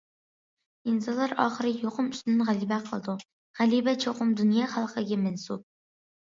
ئىنسانلار ئاخىر يۇقۇم ئۈستىدىن غەلىبە قىلىدۇ، غەلىبە چوقۇم دۇنيا خەلقىگە مەنسۇپ!